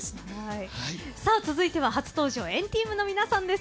続いては、初登場＆ＴＥＡＭの皆さんです。